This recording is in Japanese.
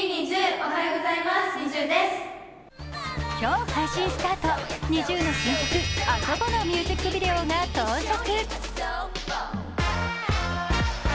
今日配信スタートＮｉｚｉＵの新曲「ＡＳＯＢＯ」のミュージックビデオがが到着。